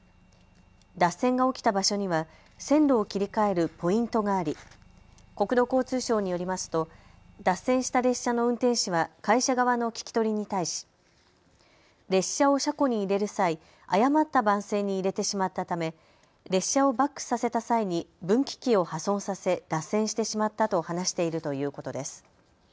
脱線が起きた場所には線路を切り替えるポイントがあり国土交通省によりますと脱線した列車の運転士は会社側の聴き取りに対し列車を車庫に入れる際誤った番線に入れてしまったため列車をバックさせた際に分岐器を破損させ脱線してしまったと話しているということです。